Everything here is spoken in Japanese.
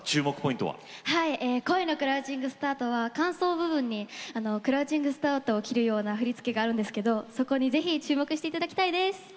「恋のクラウチングスタート」は間奏部分にクラウチングスタートを切るような振り付けがあるのでそこに注目してもらいたいです。